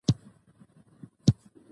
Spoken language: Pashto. زغال د افغانستان د کلتوري میراث برخه ده.